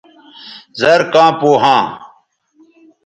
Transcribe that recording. زر کاں پو ھاں